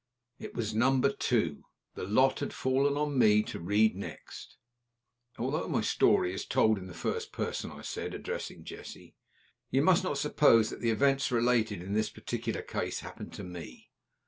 It was Number Two. The lot had fallen on me to read next. "Although my story is told in the first person," I said, addressing Jessie, "you must not suppose that the events related in this particular case happened to me.